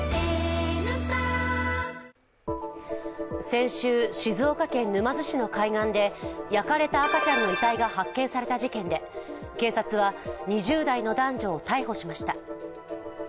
先週、静岡県沼津市の海岸で焼かれた赤ちゃんの遺体が発見された事件で、警察は２０代の男女を逮捕しました。